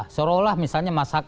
seolah olah misalnya masalah